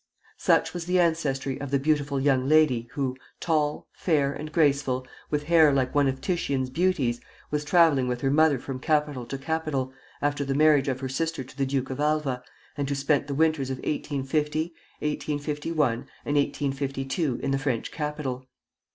Such was the ancestry of the beautiful young lady who, tall, fair, and graceful, with hair like one of Titian's beauties, was travelling with her mother from capital to capital, after the marriage of her sister to the Duke of Alva, and who spent the winters of 1850, 1851, and 1852 in the French capital.